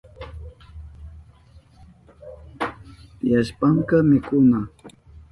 Tiyashpanka mikuma